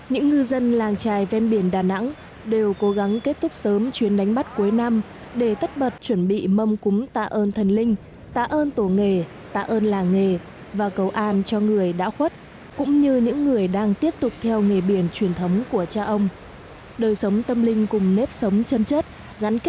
hãy đăng ký kênh để ủng hộ kênh của mình nhé